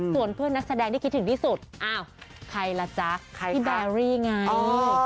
ส่วนเพื่อนนักแสดงที่คิดถึงที่สุดอ้าวใครล่ะจ๊ะพี่แบรี่ไง